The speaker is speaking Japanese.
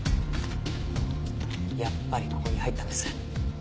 やっぱりここに入ったんです。